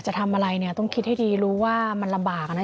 จะทำอะไรเนี่ยต้องคิดให้ดีรู้ว่ามันลำบากนะ